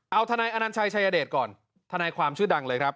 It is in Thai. เอาทนายอนัญชัยชายเดชก่อนทนายความชื่อดังเลยครับ